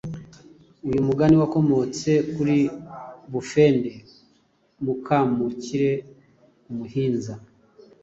Uyu mugani wakomotse kuri Bufende Mukamukire umuhinza